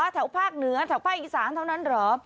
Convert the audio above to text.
แถวภาคเหนือแถวภาคอีสานเท่านั้นเหรอ